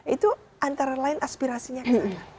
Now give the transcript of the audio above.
itu antara lain aspirasinya ke sana